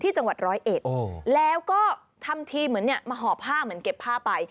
จังหวัดร้อยเอ็ดแล้วก็ทำทีเหมือนเนี่ยมาห่อผ้าเหมือนเก็บผ้าไป